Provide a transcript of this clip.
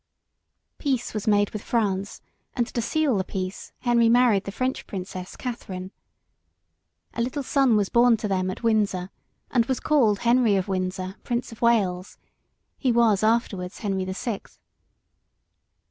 Peace was made with France, and to seal the peace Henry married the French princess, Katherine. A little son was born to them at Windsor, and was called Henry of Windsor, Prince of Wales; he was afterwards Henry the Sixth.